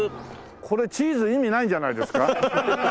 これ「チーズ」意味ないんじゃないですか？